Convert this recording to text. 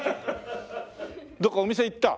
どこかお店行った？